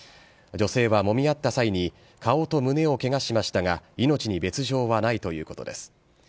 女性はもみ合った際に、顔と胸をけがしましたが、命に別状はないということです。